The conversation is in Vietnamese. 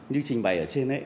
như trình bày ở trên